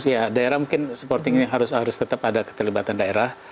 ya daerah mungkin supporting ini harus tetap ada keterlibatan daerah